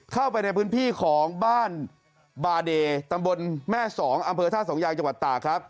เข้าไปในพื้นที่ของบ้านบาเดย์ตำบลแม่สองอำเภอท่าสองยางจังหวัดตากครับ